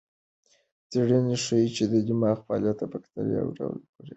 څېړنه ښيي چې د دماغ فعالیت د بکتریاوو ډول پورې اړه لري.